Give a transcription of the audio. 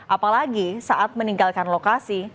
apalagi saat meninggalkan lokasi